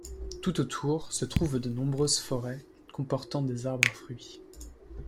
Tout autour se trouvent de nombreuses forêts comportant des arbres à fruits.